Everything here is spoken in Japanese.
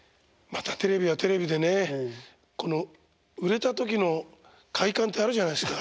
またテレビはテレビでねこの売れた時の快感ってあるじゃないですか。